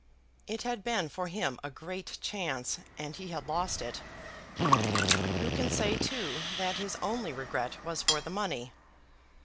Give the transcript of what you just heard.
It had been for him a great chance, and he had lost it. Who can say, too, that his only regret was for the money?